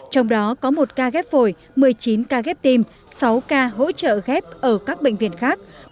trong đó có một ca ghép phổi một mươi chín ca ghép tim sáu ca hỗ trợ ghép ở các bệnh viện khác